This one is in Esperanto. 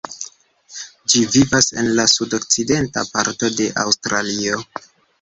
Ĝi vivas en la sudokcidenta parto de Aŭstralio.